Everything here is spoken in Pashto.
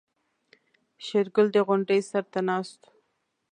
شېرګل د غونډۍ سر ته ناست و.